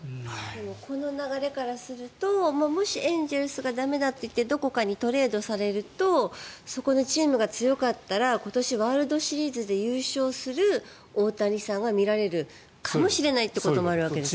この流れからするともしエンゼルスが駄目だといってどこかにトレードされるとそこのチームが強かったら今年、ワールドシリーズで優勝する大谷さんが見られるかもしれないということもあるわけですね。